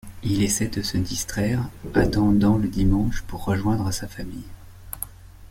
Il essaie de se distraire attendant le dimanche pour rejoindre sa famille.